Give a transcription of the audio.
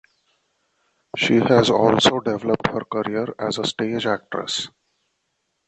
She has also developed her career as a stage actress.